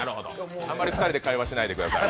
あまり２人で会話しないでください。